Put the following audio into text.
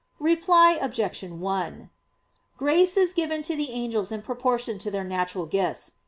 Reply Obj. 1: Grace is given to the angels in proportion to their natural gifts.